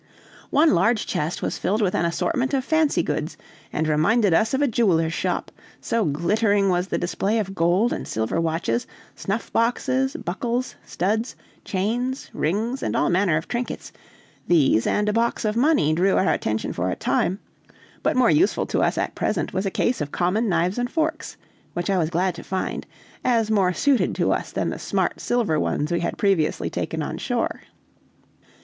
One large chest was filled with an assortment of fancy goods, and reminded us of a jeweler's shop, so glittering was the display of gold and silver watches, snuff boxes, buckles, studs, chains, rings, and all manner of trinkets; these, and a box of money, drew our attention for a time; but more useful to us at present was a case of common knives and forks, which I was glad to find, as more suited to us than the smart silver ones we had previously taken on shore.